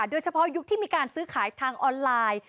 ยุคที่มีการซื้อขายทางออนไลน์